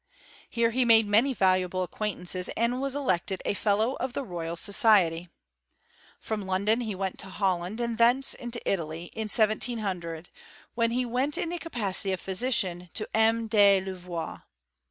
Here he made mjiny valuable acquaintances, and was elected a fellow of the Royal Society From London he went to Holland, and tlience into Italy, in 1700, where he went in the capacity of phyaician to H. de Louvois.